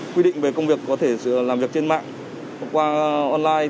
quy định về công việc có thể làm việc trên mạng qua online